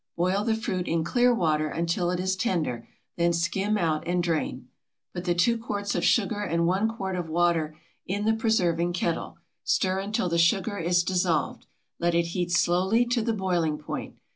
Boil the fruit in clear water until it is tender, then skim out and drain. Put the 2 quarts of sugar and 1 quart of water in the preserving kettle; stir until the sugar is dissolved. Let it heat slowly to the boiling point.